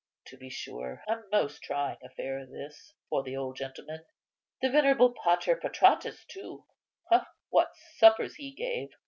To be sure, a most trying affair this for the old gentleman. The venerable Pater Patratus, too, what suppers he gave!